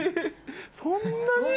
そんなに？